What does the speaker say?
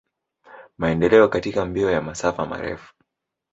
Maendeleo katika mbio ya masafa marefu.